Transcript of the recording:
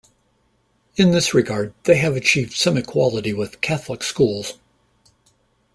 In this regard they have achieved some equality with Catholic schools.